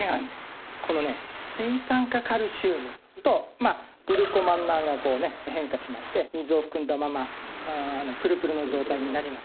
このね。とグルコマンナンが変化しまして水を含んだままプルプルの状態になります。